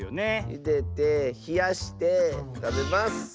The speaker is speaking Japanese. ゆでてひやしてたべます。